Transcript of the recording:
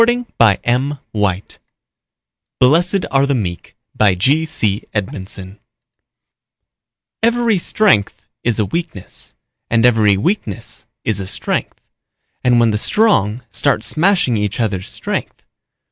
BLESSED ARE THE MEEK _Every strength is a weakness, and every weakness is a strength. And when the Strong start smashing each other's strength